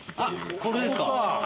これですか。